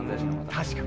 確かに。